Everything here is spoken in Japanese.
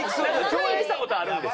共演した事あるんです。